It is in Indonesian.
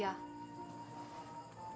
padahal ibu nggak mau